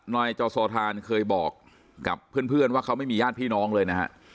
นายจอสอทานเคยบอกกับเพื่อนว่าเขาไม่มีญาติพี่น้องเลยนะฮะ